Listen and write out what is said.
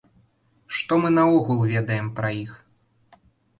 Што мы наогул ведаем пра іх?